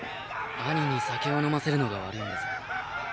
兄に酒を飲ませるのが悪いんです。